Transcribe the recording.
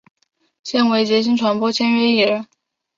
现为杰星传播签约艺人。